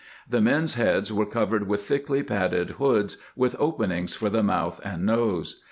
The men's heads were covered with thickly padded hoods with openings for the mouth and nose.